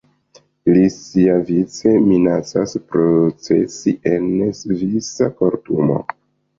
Li siavice minacas procesi en svisa kortumo.